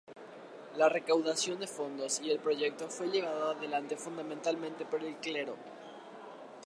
La recaudación de fondos y el proyecto fue llevado adelante fundamentalmente por el clero.